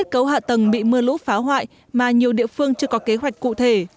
cấu hạ tầng bị mưa lũ phá hoại mà nhiều địa phương chưa có kế hoạch cụ thể